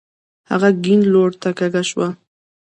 هغه کيڼ لورته کږه شوه.